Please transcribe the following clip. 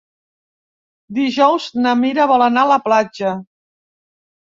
Dijous na Mira vol anar a la platja.